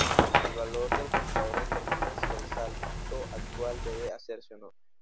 El valor del contador determina si el salto actual debe hacerse o no.